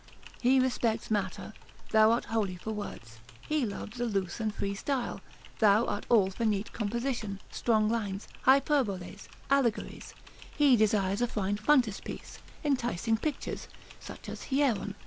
He respects matter, thou art wholly for words; he loves a loose and free style, thou art all for neat composition, strong lines, hyperboles, allegories; he desires a fine frontispiece, enticing pictures, such as Hieron.